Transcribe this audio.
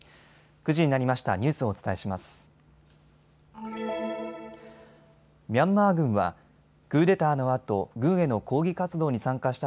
９時になりました。